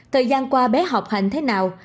thời gian qua bé học hành thế nào